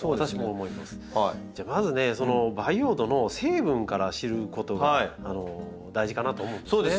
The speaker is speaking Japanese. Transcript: じゃあまずねその培養土の成分から知ることが大事かなと思うんですね。